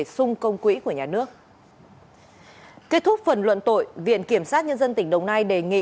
xin chào và hẹn gặp lại